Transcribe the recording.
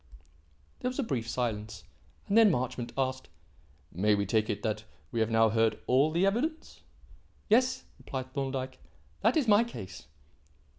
There was a brief silence, and then Marchmont asked: "May we take it that we have now heard all the evidence?" "Yes," replied Thorndyke. "That is my case."